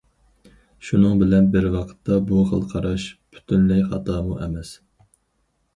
شۇنىڭ بىلەن بىر ۋاقىتتا، بۇ خىل قاراش پۈتۈنلەي خاتامۇ ئەمەس.